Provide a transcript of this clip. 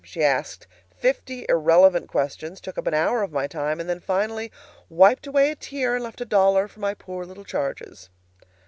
She asked fifty irrelevant questions, took up an hour of my time, then finally wiped away a tear and left a dollar for my "poor little charges."